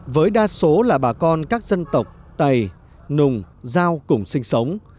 với đa số là bà con các dân tộc tày nùng giao cùng sinh sống